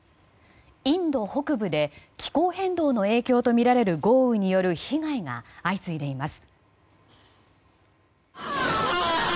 インド北部で気候変動の影響とみられる豪雨で被害が相次いでいます。